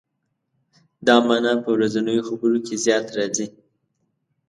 دا معنا په ورځنیو خبرو کې زیات راځي.